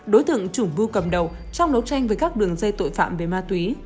đối tượng chủng vưu cầm đầu trong đấu tranh với các đường dây tội phạm về ma túy